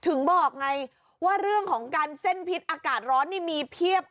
ถึงบอกไงว่าเรื่องของการเส้นพิษอากาศร้อนนี่มีเพียบ